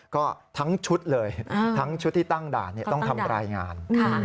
ก็ทั้งชุดเลยทั้งชุดที่ตั้งด่านต้องทำรายงาน